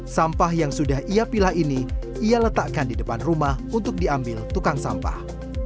sampah yang sudah ia pilah ini ia letakkan di depan rumah untuk diambil tukang sampah